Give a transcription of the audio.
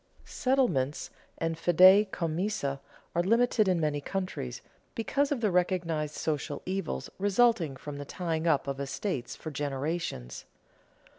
Settlements and fidei commissa are limited in many countries, because of the recognized social evils resulting from the tying up of estates for generations.